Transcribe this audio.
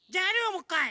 もっかい。